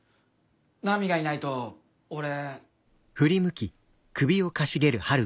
奈美がいないと俺。